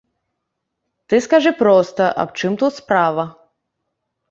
Ты скажы проста, аб чым тут справа.